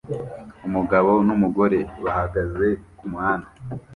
Umugabo numugore bahagaze kumuhanda